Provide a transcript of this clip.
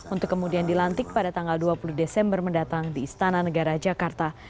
untuk kemudian dilantik pada tanggal dua puluh desember mendatang di istana negara jakarta